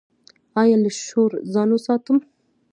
ایا له شور ځان وساتم؟